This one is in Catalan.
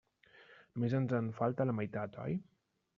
Només ens en falta la meitat, oi?